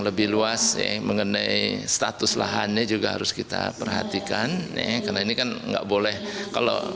lebih luas mengenai status lahannya juga harus kita perhatikan ya karena ini kan enggak boleh kalau